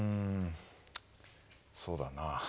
そうだな。